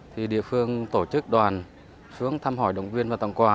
thì địa phương tổ chức đoàn xuống thăm hỏi động viên và tặng quà